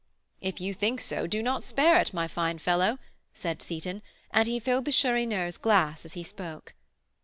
"If you think so, do not spare it, my fine fellow," said Seyton, and he filled the Chourineur's glass as he spoke.